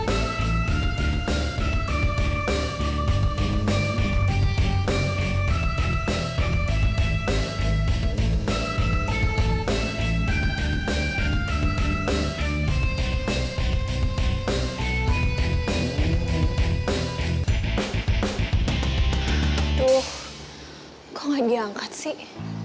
aduh kok gak diangkat sih